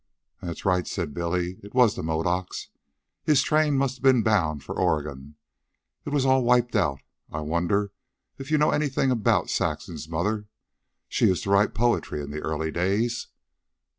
"That's right," said Billy. "It was the Modocs. His train must have ben bound for Oregon. It was all wiped out. I wonder if you know anything about Saxon's mother. She used to write poetry in the early days."